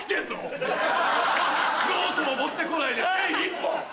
ノートも持ってこないでペン１本。